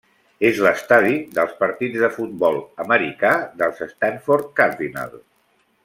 És l'estadi dels partits de futbol americà dels Stanford Cardinal.